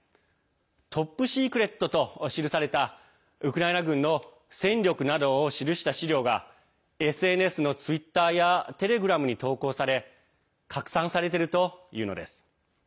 トップ・シークレットと記されたウクライナ軍の戦力などを記した資料が、ＳＮＳのツイッターやテレグラムに投稿され拡散されているというのです。